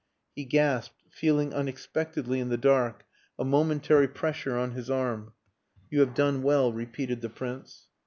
He gasped, feeling unexpectedly in the dark a momentary pressure on his arm. "You have done well," repeated the Prince.